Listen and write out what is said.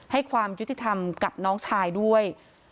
ความยุติธรรมกับน้องชายด้วย